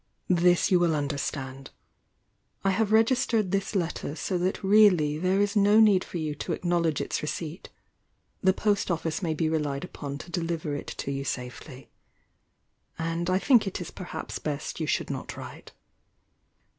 This you will understand. I have regis tered f is letter so that really there is no need for you JO acknowledge its receipt, — the post office may be relied upon to deliver it to you safely. And I think it is perhaps best you should not write.